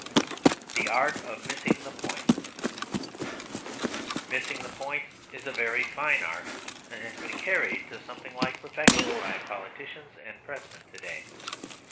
THE ART OF MISSING THE POINT Missing the point is a very fine art; and has been carried to something like perfection by politicians and Pressmen to day.